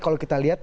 kalau kita lihat